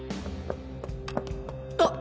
あっ！？